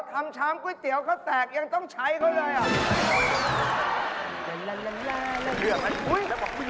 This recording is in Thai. ชามก๋วยเตี๋ยวเขาแตกยังต้องใช้เขาเลยอ่ะ